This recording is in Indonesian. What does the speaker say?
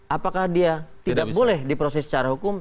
apakah dia tidak boleh diproses secara hukum